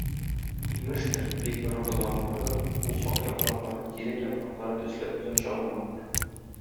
Имештер, бик борынгы заманнарда усак яфраклары тирәк яфраклары төсле озынча булганнар.